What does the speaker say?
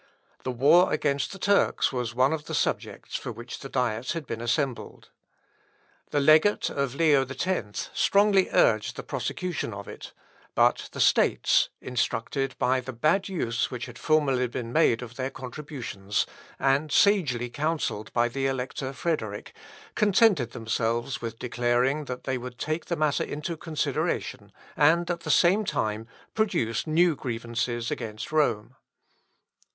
The war against the Turks was one of the subjects for which the diet had assembled. The legate of Leo X strongly urged the prosecution of it; but the States, instructed by the bad use which had formerly been made of their contributions, and sagely counselled by the Elector Frederick, contented themselves with declaring that they would take the matter into consideration, and at the same time, produced new grievances against Rome.